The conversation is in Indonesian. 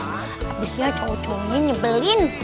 abisnya cowok cowoknya nyebelin